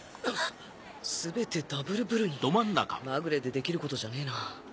全てダブルブルにまぐれでできることじゃねえな